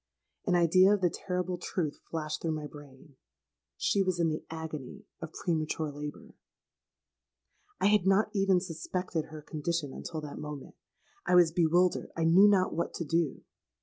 An idea of the terrible truth flashed through my brain: she was in the agony of premature labour! "I had not even suspected her condition until that moment. I was bewildered—I knew not what to do.